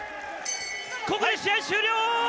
ここで試合終了！